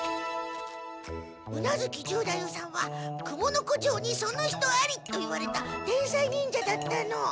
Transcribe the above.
宇奈月十太夫さんは「クモの子城にその人あり」と言われた天才忍者だったの。